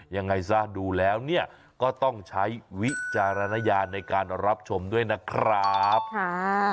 ยังไงซะดูแล้วเนี่ยก็ต้องใช้วิจารณญาณในการรับชมด้วยนะครับค่ะ